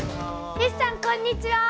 よしさんこんにちは。